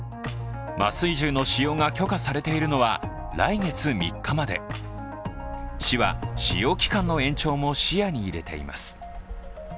麻酔銃の使用が許可されているのは、来月３日まで市は使用期間の延長も視野に入れています。